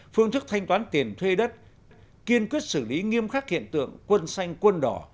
phương thức thanh toán tiền thuê đất kiên quyết xử lý nghiêm khắc hiện tượng quân xanh quân đỏ